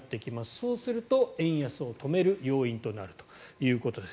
そうすると円安を止める要因となるということです。